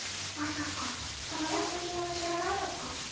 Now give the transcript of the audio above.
まさかこの作品を知らないのか？